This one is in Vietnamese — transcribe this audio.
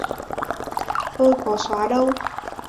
Tôi có xóa đâu